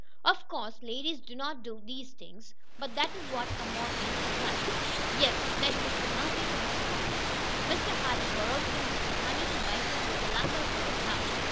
Of course ladies do not do those things, but that is what a mortgage is like. "Yes." said Mr. Murphy to Mr. Bobbsey, "Mr. Hardee borrowed from me the money to buy from you the lumber for his house.